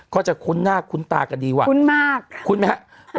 ก็จะคุ้นหน้าคุ้นตากันดีว่ะคุ้นมากคุ้นไหมฮะคุ้นมาก